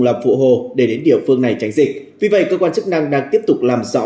làm phụ hồ để đến địa phương này tránh dịch vì vậy cơ quan chức năng đang tiếp tục làm rõ